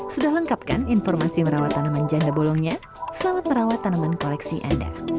sudah lengkapkan informasi merawat tanaman janda bolongnya selamat merawat tanaman koleksi anda